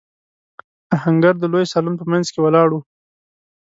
آهنګر د لوی سالون په مينځ کې ولاړ و.